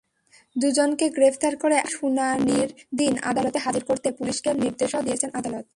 দুজনকে গ্রেপ্তার করে আগামী শুনানিরদিন আদালতে হাজির করতে পুলিশকে নির্দেশও দিয়েছেন আদালত।